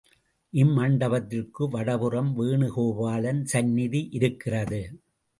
இம்மண்டபத்திற்கு வடபுறம் வேணுகோபாலன் சந்நிதி இருக்கிறது.